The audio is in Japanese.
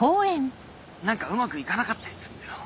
何かうまくいかなかったりすんのよ。